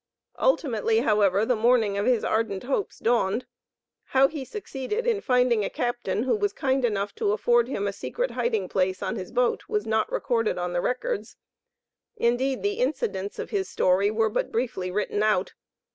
Ultimately, however, the morning of his ardent hopes dawned. How he succeeded in finding a captain who was kind enough to afford him a secret hiding place on his boat, was not noted on the records. Indeed the incidents of his story were but briefly written out.